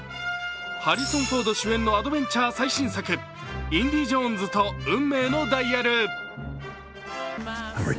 ハリソン・フォード主演のアドベンチャー最新作「インディ・ジョーンズと運命のダイヤル」